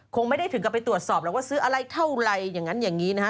คงไม่ได้ถึงกลับไปตรวจสอบหรอกว่าซื้ออะไรเท่าไรอย่างนั้นอย่างนี้นะฮะ